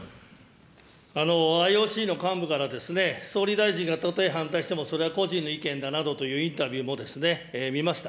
ＩＯＣの幹部からですね、総理大臣がたとえ反対しても、それは個人の意見だなどというインタビューも見ました。